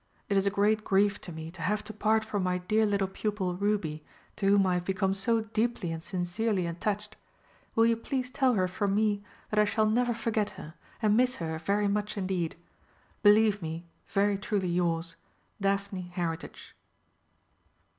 It is a great grief to me to have to part from my dear little pupil Ruby, to whom I have become so deeply and sincerely attached. Will you please tell her from me that I shall never forget her, and miss her very much indeed. Believe me, very truly yours,_ DAPHNE HERITAGE."